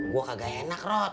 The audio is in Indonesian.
gua kagak enak erot